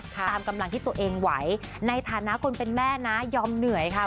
ตามกำลังที่ตัวเองไหวในฐานะคนเป็นแม่นะยอมเหนื่อยค่ะ